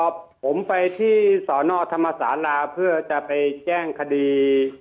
ผมไปที่สอนอธรรมศาลาเพื่อจะไปแจ้งคดี